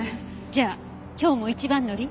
じゃあ今日も一番乗り？